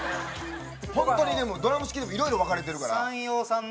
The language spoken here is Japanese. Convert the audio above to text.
本当にでもドラム式でもいろいろ分かれてるから。